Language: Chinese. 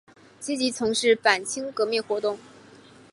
积极从事反清革命活动。